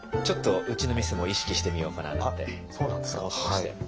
ちょっとうちの店も意識してみようかなあなんて。